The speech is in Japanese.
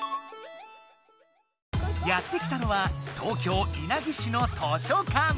やって来たのは東京・稲城市の図書館。